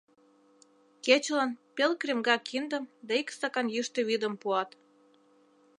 Кечылан пел кремга киндым да ик стакан йӱштӧ вӱдым пуат.